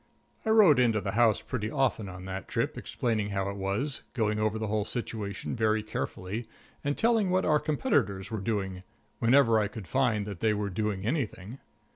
I wrote in to the house pretty often on that trip, explaining how it was, going over the whole situation very carefully, and telling what our competitors were doing, wherever I could find that they were doing anything.